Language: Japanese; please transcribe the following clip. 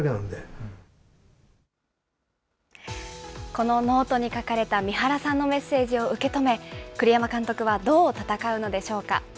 このノートに書かれた三原さんのメッセージを受け止め、栗山監督はどう戦うのでしょうか。